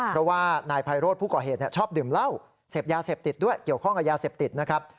เพราะว่านายไพโรธผู้ก่อเหตุชอบดื่มเหล้าเสพยาเสพติดด้วยเกี่ยวข้องกับยาเสพติดนะครับ